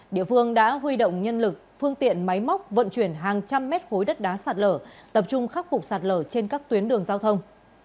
địa phương đã huy động nhân lực phương tiện máy móc vận chuyển hàng trăm mét khối đất đá sạt lở tập trung khắc phục sạt lở trên các tuyến đường giao thông